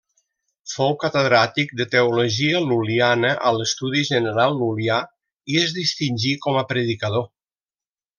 Fou catedràtic de teologia lul·liana a l'Estudi General Lul·lià i es distingí com a predicador.